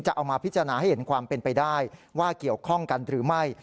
เอามาพิจารณาให้เห็นความเป็นไปได้ว่าเกี่ยวข้องกันหรือไม่